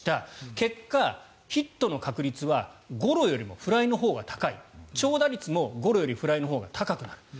結果、ヒットの確率はゴロよりもフライのほうが高い長打率もゴロよりフライのほうが高くなる。